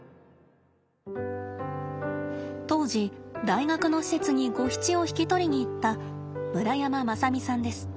当時大学の施設にゴヒチを引き取りに行った村山正巳さんです。